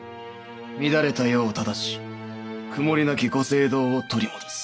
乱れた世を正し曇りなきご政道を取り戻す。